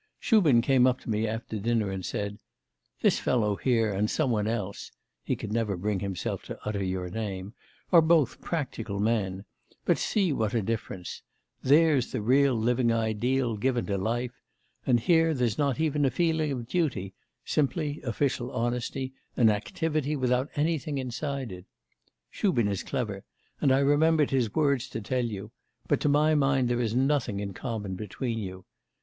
Shubin came up to me after dinner, and said, "This fellow here and some one else (he can never bring himself to utter your name) are both practical men, but see what a difference; there's the real living ideal given to life; and here there's not even a feeling of duty, simply official honesty and activity without anything inside it." Shubin is clever, and I remembered his words to tell you; but to my mind there is nothing in common between you.